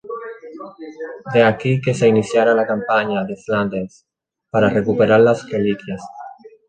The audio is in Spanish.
De aquí que se iniciara la campaña de Flandes para recuperar las reliquias.